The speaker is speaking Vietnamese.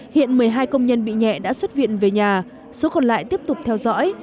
hiện một mươi hai công nhân bị nhẹ đã xuất viện về nhà số còn lại tiếp tục theo dõi